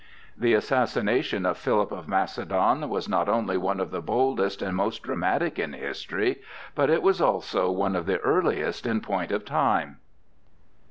The assassination of Philip of Macedon was not only one of the boldest and most dramatic in history, but it was also one of the earliest in point of time.